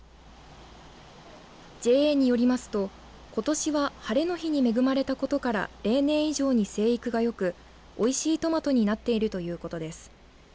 ＪＡによりますとことしは晴れの日に恵まれたことから例年以上に生育がよくおいしいトマトになっているということです。